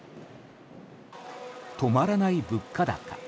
止まらない物価高。